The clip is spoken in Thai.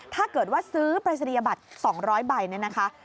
ถ้าเกิดว่าซื้อปรายศนียบัตร๒๐๐ใบเนี่ยนะคะ